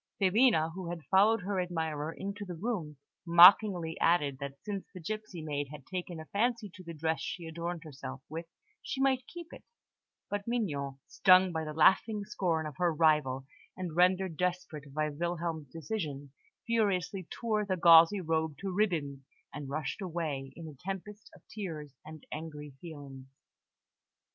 Filina, who had followed her admirer into the room, mockingly added that since the gipsy maid had taken a fancy to the dress she had adorned herself with, she might keep it; but Mignon, stung by the laughing scorn of her rival, and rendered desperate by Wilhelm's decision, furiously tore the gauzy robe to ribbons, and rushed away in a tempest of tears and angry feelings.